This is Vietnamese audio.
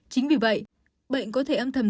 chính vì vậy bệnh có thể âm thầm